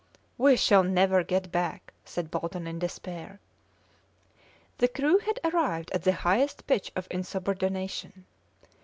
"We shall never get back!" said Bolton in despair. The crew had arrived at the highest pitch of insubordination.